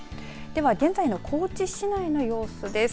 では現在の高知市内の様子です。